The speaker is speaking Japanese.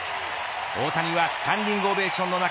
大谷はスタンディングオベーションの中